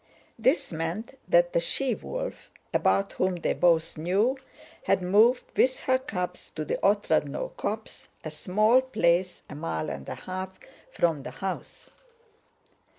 (This meant that the she wolf, about whom they both knew, had moved with her cubs to the Otrádnoe copse, a small place a mile and a half from the house.)